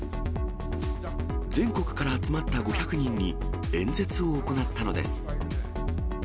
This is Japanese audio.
全国から集まった５００人に演説を行ったのです。